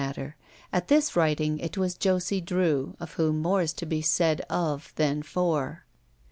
42 ROULETTE At this writing it was Josie Drew of whom more is to be said of than for.